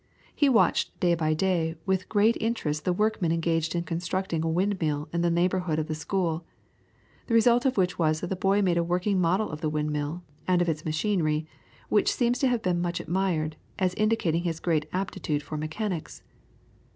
He watched day by day with great interest the workmen engaged in constructing a windmill in the neighbourhood of the school, the result of which was that the boy made a working model of the windmill and of its machinery, which seems to have been much admired, as indicating his aptitude for mechanics.